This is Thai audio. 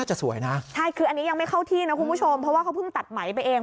จะสวยนะใช่คืออันนี้ยังไม่เข้าที่นะคุณผู้ชมเพราะว่าเขาเพิ่งตัดไหมไปเอง